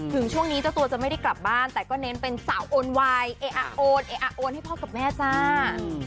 ถึงช่วงนี้เจ้าตัวจะไม่ได้กลับบ้านแต่ก็เน้นเป็นสาวโอนไวเออะโอนเอะอะโอนให้พ่อกับแม่จ้า